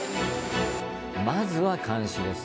まずは監視です。